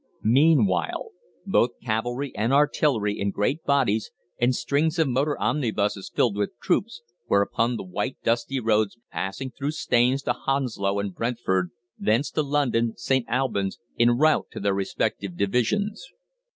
Meanwhile both cavalry and artillery in great bodies, and strings of motor omnibuses filled with troops, were upon the white, dusty roads passing through Staines to Hounslow and Brentford, thence to London, St. Albans, en route to their respective divisions.